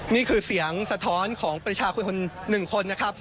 นี่คือเสียงสะท้อนของประชาชน๑คนนะครับ